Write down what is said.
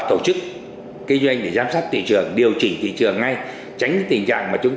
tổ chức kinh doanh để giám sát thị trường điều chỉnh thị trường ngay tránh cái tình trạng mà chúng